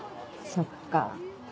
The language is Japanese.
そっか。